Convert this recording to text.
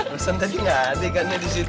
bukan tadi nggak ada ikannya di situ